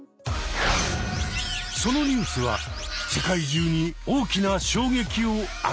そのニュースは世界中に大きな衝撃を与えた。